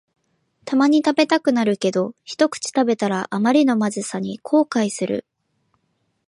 たまに食べたくなるけど、ひとくち食べたらあまりのまずさに後悔する